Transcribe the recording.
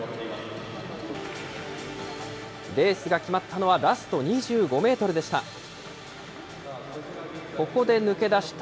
レースが決まったのは、ラスト２５メートルでした。